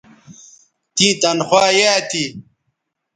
تیں تنخوا یایئ تھی